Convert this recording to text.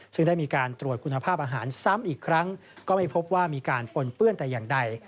ซึ่งได้มีการตรวจคุณภาพอาหารซ้ำอีกครั้งก็ไม่พบว่ามีการปนเปื้อนแต่อย่างใด